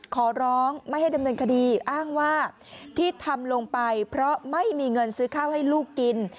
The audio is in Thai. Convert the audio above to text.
ขอร้องไม่ให้ดำเนินคดีอ้างว่าที่ทำลงไปเพราะไม่มีเงินซื้อข้าวให้ลูกกิน